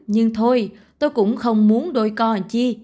nhưng thôi tôi cũng không muốn đôi con chi